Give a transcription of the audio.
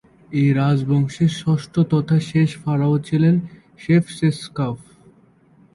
এই রাজবংশের ষষ্ঠ তথা শেষ ফারাও ছিলেন শেপসেসকাফ।